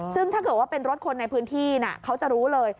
ซึ่งถ้าเกิดว่าเป็นรถคนในพื้นที่เขาจะรู้เลย